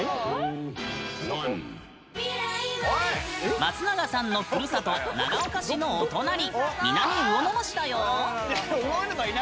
松永さんのふるさと・長岡市のお隣南魚沼市だよ。